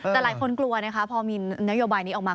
แต่หลายคนกลัวนะคะพอมีนโยบายนี้ออกมา